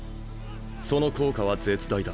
その効果は絶大だ。